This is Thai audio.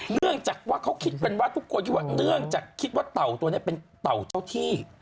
เนื่องจากว่าเขาคิดกันว่าทุกคนคิดว่าเนื่องจากคิดว่าเต่าตัวนี้เป็นเต่าเจ้าที่